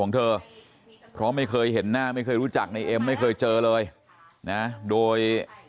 เธอเพราะไม่เคยเห็นหน้าไม่เคยรู้จักในเอ็มไม่เคยเจอเลยนะโดย